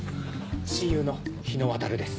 親友の日野渉です。